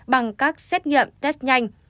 bằng các xét nghiệm test nhanh